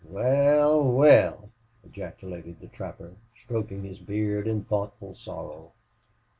"Wal, wal!" ejaculated the trapper, stroking his beard in thoughtful sorrow.